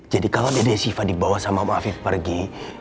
jadi kalau dede siva dibawa sama mama afif pergi